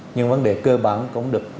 nhưng vấn đề cơ bản cũng được đánh giá